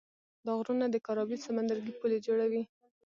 دا غرونه د کارابین سمندرګي پولې جوړوي.